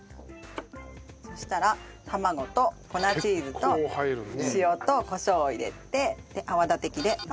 そしたら卵と粉チーズと塩とコショウを入れて泡立て器で混ぜます。